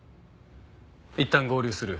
いったん合流する。